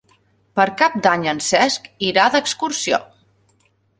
Per Cap d'Any en Cesc irà d'excursió.